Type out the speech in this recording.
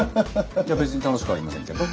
いや別に楽しくありませんけど？